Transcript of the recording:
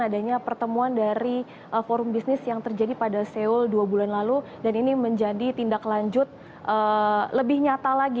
adanya pertemuan dari forum bisnis yang terjadi pada seoul dua bulan lalu dan ini menjadi tindak lanjut lebih nyata lagi